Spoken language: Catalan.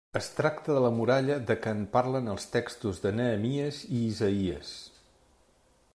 Es tracta de la muralla de què en parlen els textos de Nehemies i Isaïes.